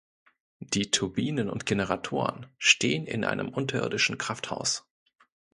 Die Turbinen und Generatoren stehen in einem unterirdischen Krafthaus.